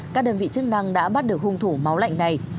các đơn vị chức năng đã bắt được hung thủ máu lạnh này